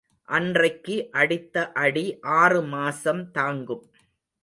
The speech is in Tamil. அன்றைக்கு அடித்த அடி ஆறு மாசம் தாங்கும்.